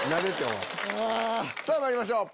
さぁまいりましょう！